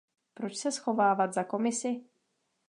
Proč se schovávat za Komisi?